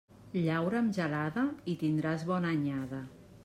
Llaura amb gelada i tindràs bona anyada.